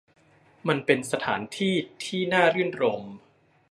มันเป็นสถานที่ที่น่ารื่นรมย์